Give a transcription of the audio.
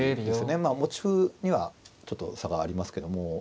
まあ持ち歩にはちょっと差がありますけども。